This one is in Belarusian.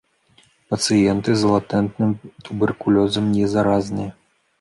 Пацыенты з латэнтным туберкулёзам не заразныя.